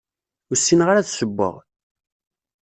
Ur ssineɣ ad ssewweɣ.